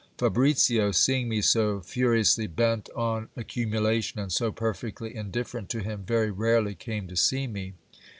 Fabricio seeing me so furiously bent on accumula and so perfectly indifferent to him, very rarely came to see me.